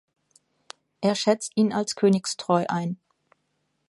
Er schätzt ihn als königstreu ein.